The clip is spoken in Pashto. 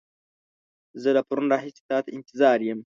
زه له پرون راهيسې تا ته انتظار يم.